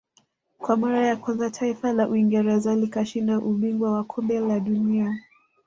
Kwa mara ya kwanza taifa la Uingereza likashinda ubingwa wa kombe la dunia